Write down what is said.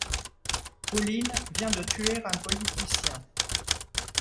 Pauline vient de tuer un politicien.